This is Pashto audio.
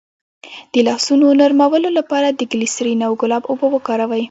د لاسونو نرمولو لپاره د ګلسرین او ګلاب اوبه وکاروئ